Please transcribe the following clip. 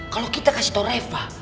kalau kita kasih tau reva